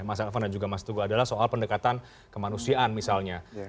mas elvan dan juga mas teguh adalah soal pendekatan kemanusiaan misalnya